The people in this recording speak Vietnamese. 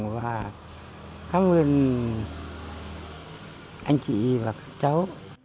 và cảm ơn anh chị và các cháu